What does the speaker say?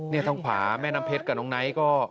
นี่ทางขวาแม่น้ำเพชรกับน้องไนท์ก็